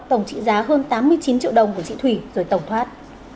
tổng trị giá hơn tám mươi chín triệu đồng của chị thủy rồi tổng thoát